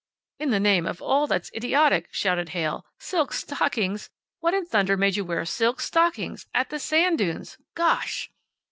"In the name of all that's idiotic!" shouted Heyl. "Silk stockings! What in thunder made you wear silk stockings! At the sand dunes! Gosh!"